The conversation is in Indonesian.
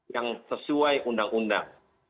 yang sesuai undang undang